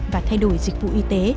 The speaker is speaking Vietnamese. và thay đổi dịch vụ y tế